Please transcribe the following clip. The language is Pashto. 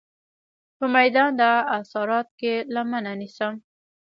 په میدان د عرصات کې لمنه نیسم.